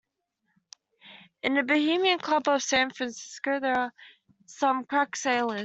In the Bohemian Club of San Francisco there are some crack sailors.